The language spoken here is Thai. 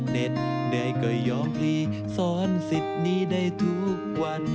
ใดก็ยอมพลีสอนสิทธิ์นี้ได้ทุกวัน